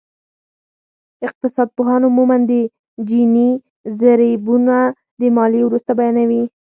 اقتصادپوهان عموماً د جیني ضریبونه د ماليې وروسته بیانوي